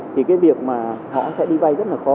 thì cái việc mà họ sẽ đi vay rất là khó